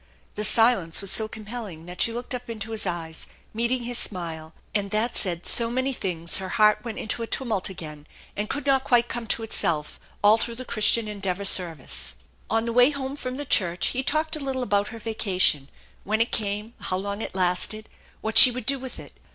The silence was so compelling that she looked up into his eyes, meeting his smile, and that said so many things her heart went into a tumult again and could not quite come to itself all through the Christian Endeavor service. On the way home from the church he talked a little about her vacation: when it came, how long it lasted, what she would do with it.